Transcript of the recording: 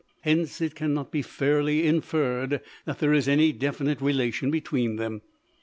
Hence, it can not be fairly inferred that there is any definite relation between them.